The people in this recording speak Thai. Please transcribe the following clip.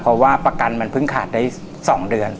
เพราะว่าประกันมันเพิ่งขาดได้๒เดือน